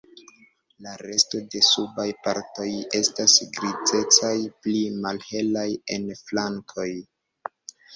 La resto de subaj partoj estas grizecaj, pli malhelaj en flankoj.